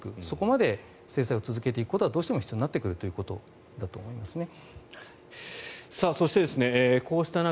そこまで制裁を続けていくことはどうしても必要になってくるということだと思います。